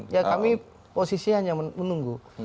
ya kami posisi hanya menunggu